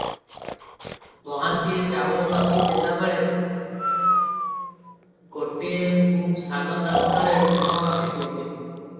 ମହାନ୍ତିଏ ଚାଉଳ ମାପି ଦେବାବେଳେ ଗୋଟିଏ ଖୁବ ସାନ ଶାମୁକାରେ ଲୁଣ ମାପି ଦିଅନ୍ତି ।